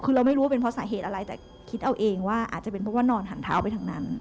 คือเราไม่รู้ว่าเป็นเพราะสาเหตุอะไรแต่คิดเอาเองว่าอาจจะเป็นเพราะว่านอนหันเท้าไปทางนั้น